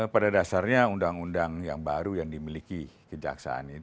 pada dasarnya undang undang yang baru yang dimiliki kejaksaan ini